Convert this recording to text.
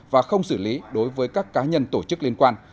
và không xử lý đối với các cá nhân tổ chức liên quan